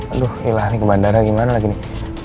aduh gila ini ke bandara gimana lagi nih